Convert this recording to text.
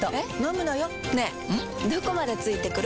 どこまで付いてくる？